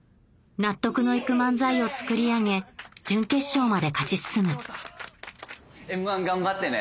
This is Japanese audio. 納得のいく漫才を作り上げ準決勝まで勝ち進む『Ｍ−１』頑張ってね。